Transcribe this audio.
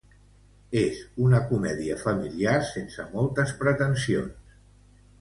És una comèdia familiar sense moltes pretensions.